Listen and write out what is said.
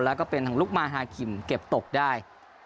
แล้วก็เป็นทางลุกมาฮาคิมเก็บตกได้